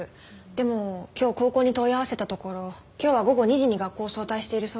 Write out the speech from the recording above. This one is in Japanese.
でも今日高校に問い合わせたところ今日は午後２時に学校を早退しているそうです。